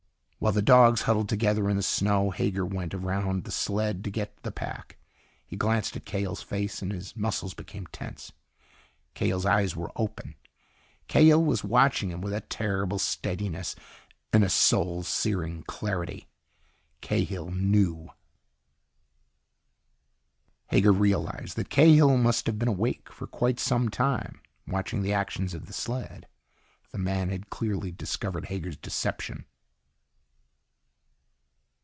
While the dogs huddled together in the snow, Hager went around the sled to get the pack. He glanced at Cahill's face and his muscles became tense. Cahill's eyes were open. Cahill was watching him with a terrible steadiness and a soul searing clarity. Cahill ... knew. Hager realized that Cahill must have been awake for quite some time, watching the actions of the sled. The man had clearly discovered Hager's deception.